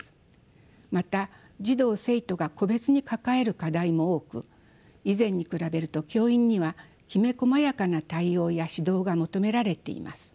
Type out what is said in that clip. また児童生徒が個別に抱える課題も多く以前に比べると教員にはきめこまやかな対応や指導が求められています。